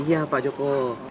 iya pak joko